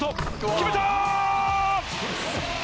決めた！